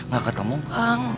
gak ketemu bang